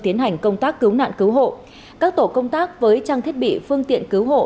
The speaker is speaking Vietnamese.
tiến hành công tác cứu nạn cứu hộ các tổ công tác với trang thiết bị phương tiện cứu hộ